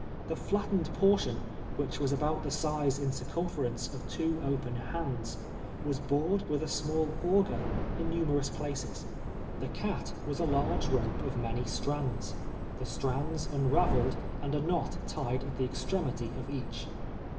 The flattened portion, which was abiuit the size in circumference of two open hands, was bored with a small auger in numerous pdaces. The cat was a large rope of many strands —• the strands unraveled, and a knot tied at the extrem ity of each.